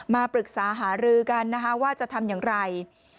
มาปรึกษาหารือกันนะคะว่าจะทำอย่างไร